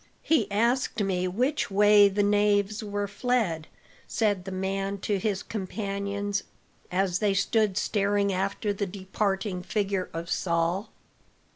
"He asked me which way the knaves were fled," said the man to his companions, as they stood staring after the departing figure of Saul.